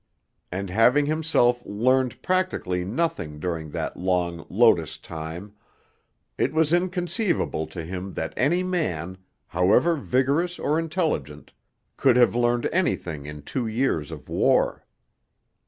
And having himself learned practically nothing during that long lotus time, it was inconceivable to him that any man, however vigorous or intelligent, could have learned anything in two years of war.